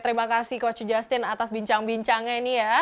terima kasih coach justin atas bincang bincangnya ini ya